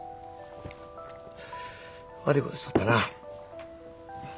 悪いことしよったな。